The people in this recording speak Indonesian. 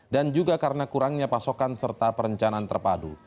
dan juga karena kurangnya pasokan serta perencanaan terpadu